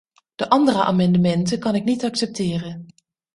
De andere amendementen kan ik niet accepteren.